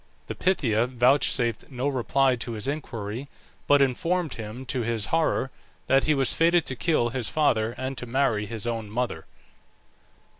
The Pythia vouchsafed no reply to his inquiry, but informed him, to his horror, that he was fated to kill his father and to marry his own mother.